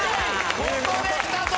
ここできたぞ！